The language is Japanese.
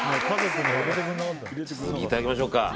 いただきましょうか。